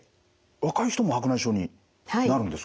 若い人も白内障になるんですか？